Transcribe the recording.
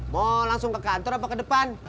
mau langsung ke kantor apa ke depan